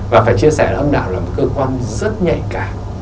và phải chia sẻ là âm đạo là một cơ quan rất nhạy cảm